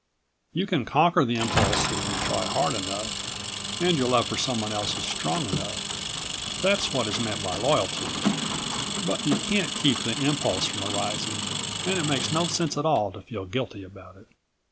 You can conquer the impulse if you try hard enough and your love for someone else is strong enough. That's what is meant by loyalty. But you can't keep the impulse from arising and it makes no sense at all to feel guilty about it.